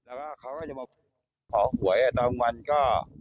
แล้วก็เขาก็จะมาขอหวยตอนวันก็